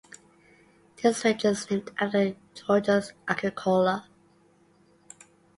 This range is named after Georgius Agricola.